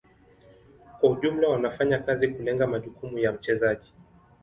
Kwa ujumla wanafanya kazi kulenga majukumu ya mchezaji.